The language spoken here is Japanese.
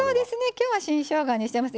今日は新しょうがにしてます。